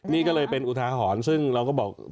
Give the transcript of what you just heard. นี่ก็เลยเป็นอุทาหรณ์ซึ่งเราก็บอก